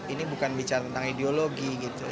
ini bukan bicara tentang ideologi gitu